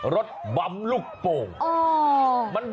รถบำลูกโป่ง